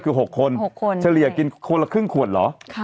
ก็มีเฉลี่ยพี่กินคนละครึ่งขวดเหรอ